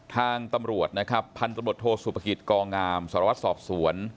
ทางตำรวจนะครับพันธุ์ตำรวจโทษสุปกิจกงสรวรรค์สอบสวน